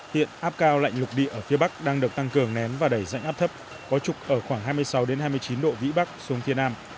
hiện áp cao lạnh lục địa ở phía bắc đang được tăng cường nén và đẩy rãnh áp thấp có trục ở khoảng hai mươi sáu hai mươi chín độ vĩ bắc xuống phía nam